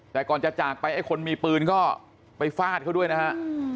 แต่ก่อนจะจากไปไอ้คนมีปืนก็ไปฟาดเขาด้วยนะฮะ